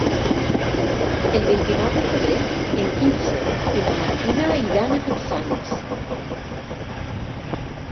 El vint-i-nou de febrer en Quirze i na Martina iran a Capçanes.